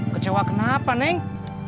kecewa kenapa neng